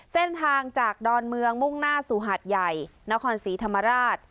เส้นทางจากดอนเมืองมุ่งหน้าสู่หาดใหญ่นครศรีธรรมราช